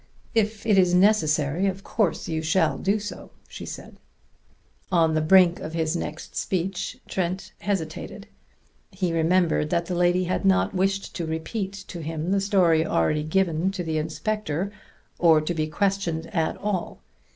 "If it is necessary, of course you shall do so," she said. On the brink of his next speech Trent hesitated. He remembered that the lady had not wished to repeat to him the story already given to the inspector or to be questioned at all.